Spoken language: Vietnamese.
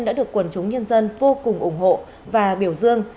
đã được quần chúng nhân dân vô cùng ủng hộ và biểu dương